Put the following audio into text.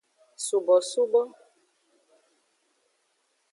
Subosubo.